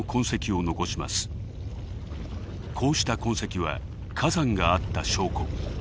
こうした痕跡は火山があった証拠。